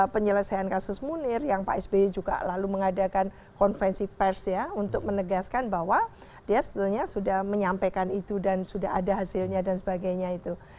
penyelesaian kasus munir yang pak sby juga lalu mengadakan konferensi pers ya untuk menegaskan bahwa dia sebetulnya sudah menyampaikan itu dan sudah ada hasilnya dan sebagainya itu